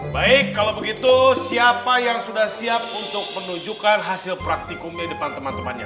baik kalau begitu siapa yang sudah siap untuk menunjukkan hasil praktikumnya di depan teman temannya